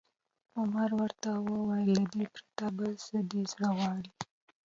عمر ورته وویل: له دې پرته، بل څه دې زړه غواړي؟